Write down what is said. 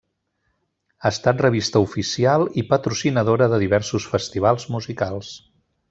Ha estat revista oficial i patrocinadora de diversos festivals musicals.